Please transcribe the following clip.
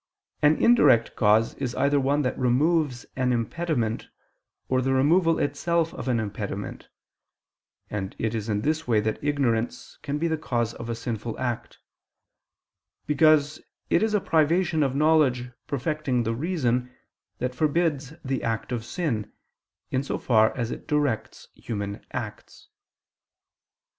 An indirect cause, is either one that removes an impediment, or the removal itself of an impediment: and it is in this way that ignorance can be the cause of a sinful act; because it is a privation of knowledge perfecting the reason that forbids the act of sin, in so far as it directs human acts.